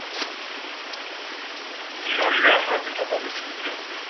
血のりがはじけ飛ぶ仕組みです。